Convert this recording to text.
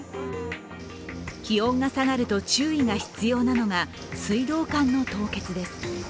気温が下がると注意が必要なのが水道管の凍結です。